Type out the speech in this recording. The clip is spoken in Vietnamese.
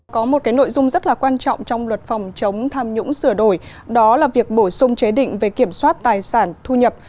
có một nội dung rất là quan trọng trong luật phòng chống tham nhũng sửa đổi đó là việc bổ sung chế định về kiểm soát tài sản thu nhập